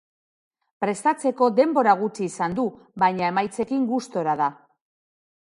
Prestatzeko denbora gutxi izan du baina emaitzekin gustora da.